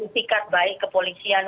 intikat baik kepolisian